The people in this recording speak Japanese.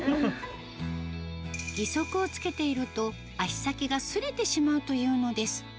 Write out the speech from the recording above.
義足をつけていると、脚先がすれてしまうというのです。